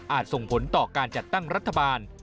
ส่งผลต่อการจัดตั้งรัฐบาล